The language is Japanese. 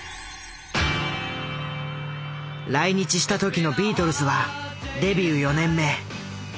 来日した時のビートルズはデビュー４年目。